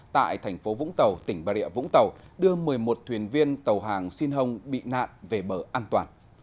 tại thành phố vũng tàu tỉnh bà rịa vũng tàu đưa một mươi một thuyền viên tàu hàng xin hông bị nạn về bờ an toàn